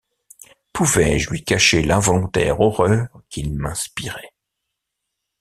Pouvais-je lui cacher l’involontaire horreur qu’il m’inspirait !